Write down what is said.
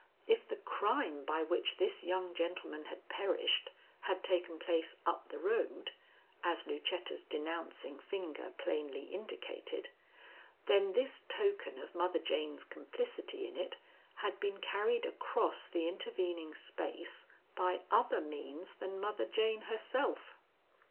If the crime by which this young gentleman had perished had taken place up the road, as Lucetta's denouncing finger plainly indicated, then this token of Mother Jane's complicity in it had been carried across the intervening space by other means than Mother Jane herself.